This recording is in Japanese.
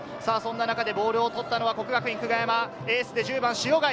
ボールを取ったのは、國學院久我山・エースの塩貝。